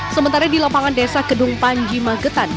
sementara di lopangan desa gedung panji magetan